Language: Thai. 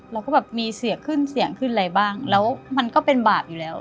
เราก็แบบมีเสียงขึ้นเสียงขึ้นอะไรบ้างแล้วมันก็เป็นบาปอยู่แล้ว